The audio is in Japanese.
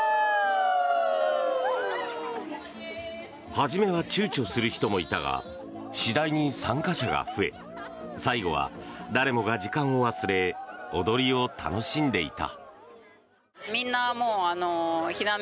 初めは躊躇する人もいたが次第に参加者が増え最後は誰もが時間を忘れ踊りを楽しんでいた。